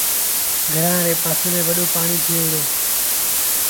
گھرآݩ ري پآسي ميݩ وڏو پآڻيٚ ٿئي وُهڙو۔